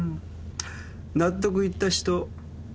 納得いった人？